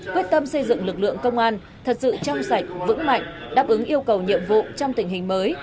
quyết tâm xây dựng lực lượng công an thật sự trong sạch vững mạnh đáp ứng yêu cầu nhiệm vụ trong tình hình mới